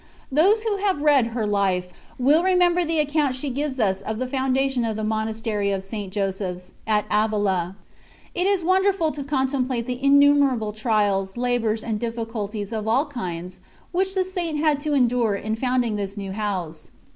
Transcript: Those who have read her " Life," will remember the accoimt she gives us of the foundation of the Monas tery of St. Joseph's, at Avila.* It is wonderfiil to contemplate the innumerable trials, labours, and diffi culties of. all kinds which the Saint had to endure in founding this new House.